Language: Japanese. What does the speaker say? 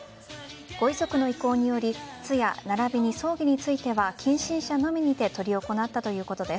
ご遺族の意向により通夜並びに葬儀については近親者のみにて取り行ったということです。